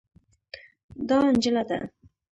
دا نجله ده.